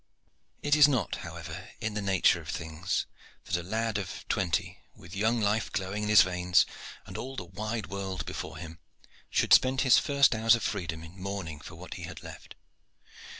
It is not, however, in the nature of things that a lad of twenty, with young life glowing in his veins and all the wide world before him, should spend his first hours of freedom in mourning for what he had left.